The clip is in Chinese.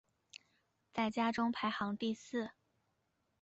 在家中排行第四。